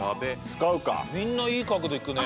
みんないい角度いくね。